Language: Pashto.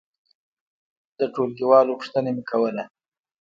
د ټولګي والو پوښتنه مې کوله.